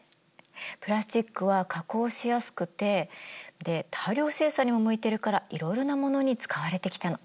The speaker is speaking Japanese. プラスチックは加工しやすくてで大量生産にも向いてるからいろいろなものに使われてきたの。